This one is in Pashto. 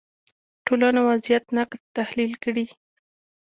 ټولنو وضعیت نقد تحلیل کړي